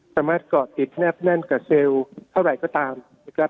สามารถเกาะติดแนบแน่นกว่าเซลล์เท่าไหร่ก็ตามนะครับ